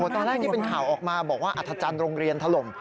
ตอนแรกที่เป็นข่าวออกมาบอกว่าอัธจันทร์โรงเรียนถล่ม